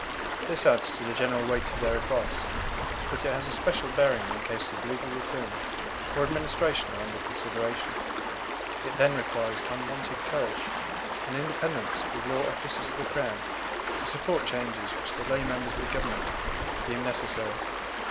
This adds to the general weight of their advice, but it has a special bearing when cases of legal reform or administration are under consideration; it then requires unwonted courage and independence for the law officers of the Crown to support changes which the lay members of the Government deem necessary.